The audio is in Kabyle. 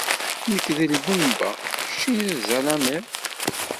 Nekk d lbumba, keččini d zzalimiḍ.